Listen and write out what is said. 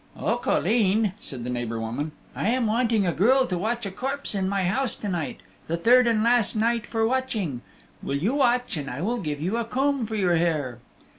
"Oh, colleen," said the neighbor woman, "I am wanting a girl to watch a corpse in my house to night the third and the last night for watching. Will you watch and I will give you a comb for your hair?"